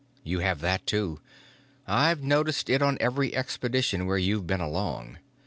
You have that too. I've noticed it on every expedition where you've been along.